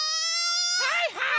はいはい！